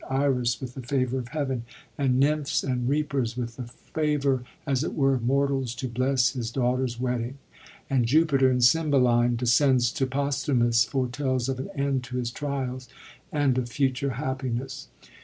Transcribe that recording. Iris with the favor of heaven, and nymphs and 144 . REVIEW OF THE FOURTH PERIOD reapers with the favor, as it were, of mortals, to bless his daughter's wedding ; and Jupiter, in Cynibeline, descends to Posthumus, foretells of an end to his trials, and of future happiness.